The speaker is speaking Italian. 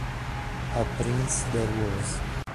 A Prince There Was